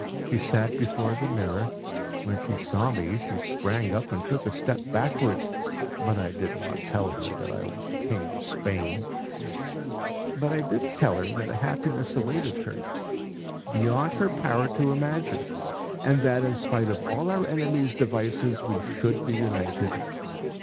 She sat before the mirror. When she saw me, she sprang up and took a step backwards; but I did not tell her that I was the king of Spain. But I told her that a happiness awaited her, beyond her power to imagine; and that in spite of all our enemies' devices we should be united.